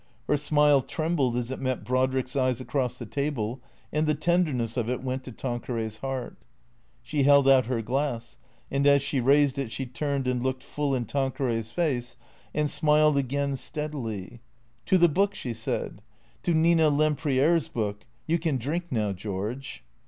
Her smile trembled as it met Brodrick's eyes across the table, and the tenderness of it went to Tanqueray's heart. She held out her glass ; and as she raised it she turned and looked full in Tanqueray's face, and smiled again, steadily. " To the Book !" she said. " To Nina Lempriere's book ! You can drink now, George."